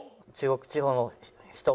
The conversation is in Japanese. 中国地方の。